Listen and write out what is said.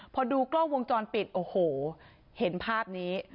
พอดูกล้องวงจรปิดโอ้โหเห็นภาพนี้